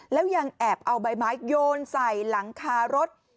แล้วยังแอบเอาใบไม้โยนใส่หลังคารถ